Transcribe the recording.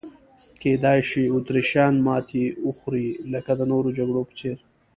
کېدای شي اتریشیان ماته وخوري لکه د نورو جګړو په څېر.